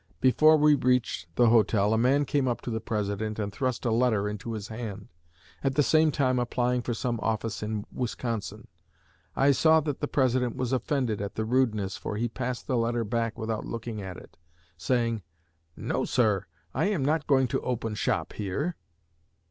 Before we reached the hotel a man came up to the President and thrust a letter into his hand, at the same time applying for some office in Wisconsin. I saw that the President was offended at the rudeness, for he passed the letter back without looking at it, saying, 'No, sir! I am not going to open shop here.'